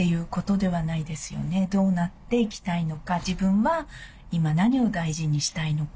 どうなっていきたいのか自分は今何を大事にしたいのか。